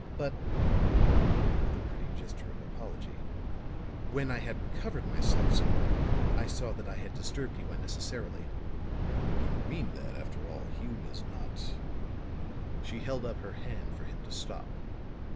But," with a pretty gesture of apology, "when I had recovered myself somewhat, I saw that I had disturbed you unnecessarily." "You don't mean that, after all, Hume is not " She held up her hand for him to stop.